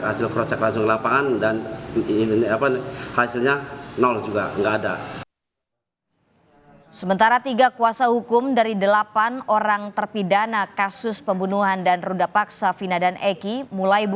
hasil crosscheck langsung ke lapangan dan hasilnya